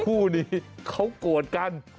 ครูนี้เขากรกัน